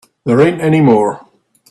There ain't any more.